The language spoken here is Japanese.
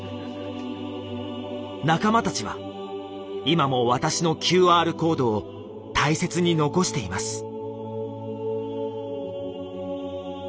仲間たちは今も私のＱＲコードを大切に残しています。